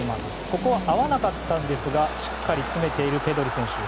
ここが合わなかったんですがしっかり詰めているペドリ選手。